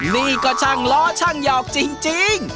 นี่ก็ช่างล้อช่างหยอกจริง